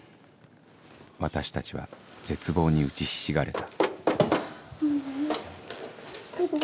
私たちは絶望に打ちひしがれた何で？